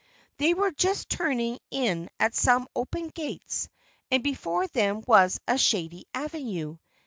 They were just turning in at some open gates, and before them was a shady avenue.